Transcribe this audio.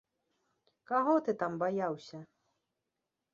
Каго ты там баяўся?